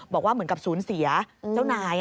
บอกว่าเหมือนกับศูนย์เสียเจ้านาย